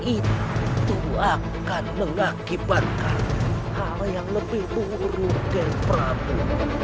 itu akan mengakibatkan hal yang lebih buruk ger prabu